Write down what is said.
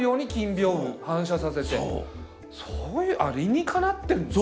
それで理にかなってるんですね。